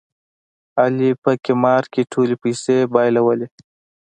علي په قمار کې ټولې پیسې بایلولې.